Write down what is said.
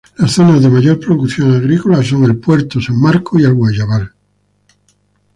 Las zonas de mayor producción agrícola son El Puerto, San Marcos y El Guayabal.